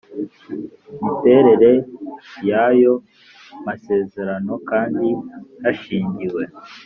miterere y ayo masezerano kandi hashingiwe